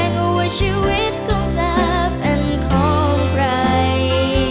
และวัชชีวิตคงเติบและคงร้าย